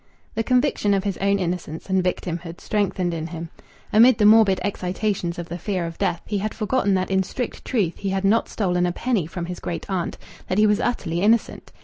The conviction of his own innocence and victimhood strengthened in him. Amid the morbid excitations of the fear of death, he had forgotten that in strict truth he had not stolen a penny from his great aunt, that he was utterly innocent.